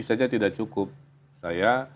saja tidak cukup saya